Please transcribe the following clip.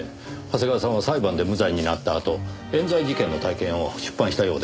長谷川さんは裁判で無罪になったあと冤罪事件の体験を出版したようですねぇ。